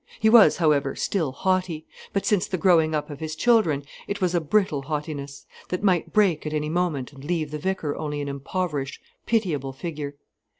He was, however, still haughty; but, since the growing up of his children, it was a brittle haughtiness, that might break at any moment and leave the vicar only an impoverished, pitiable figure.